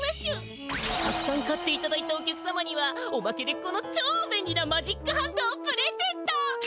たくさん買っていただいたお客様にはおまけでこの超べんりなマジックハンドをプレゼント！